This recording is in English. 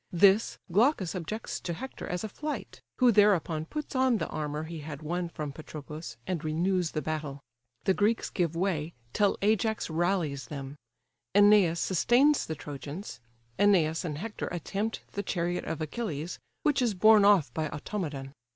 This, Glaucus objects to Hector as a flight, who thereupon puts on the armour he had won from Patroclus, and renews the battle. The Greeks give way, till Ajax rallies them: Æneas sustains the Trojans. Æneas and Hector attempt the chariot of Achilles, which is borne off by Automedon.